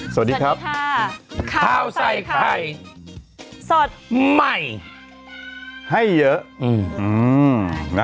สวัสดีครับสวัสดีค่ะข้าวใส่ไข่สดใหม่ให้เยอะอืมอืมนะ